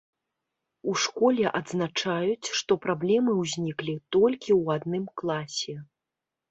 У школе адзначаюць, што праблемы ўзніклі толькі ў адным класе.